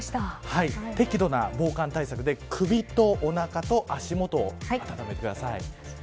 適度な防寒対策で首と、おなかと足元を温めてください。